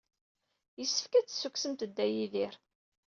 Yessefk ad d-tessukksemt Dda Yidir.